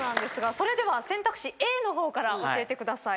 それでは選択肢Ａの方から教えてください。